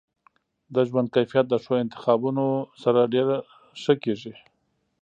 د ژوند کیفیت د ښو انتخابونو سره ډیر ښه کیږي.